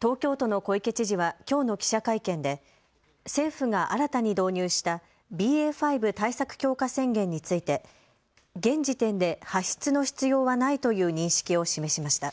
東京都の小池知事はきょうの記者会見で政府が新たに導入したＢＡ．５対策強化宣言について現時点で発出の必要はないという認識を示しました。